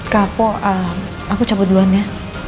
kapo aku cabut duluan ya